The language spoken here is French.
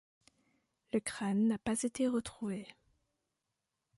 Le crâne n'a pas été retrouvé.